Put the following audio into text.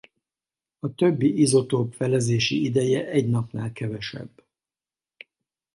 A többi izotóp felezési ideje egy napnál kevesebb.